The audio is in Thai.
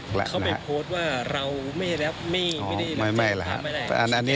เขาไปโพสต์ว่าเราไม่ได้นอนใจไม่ได้ตามไปได้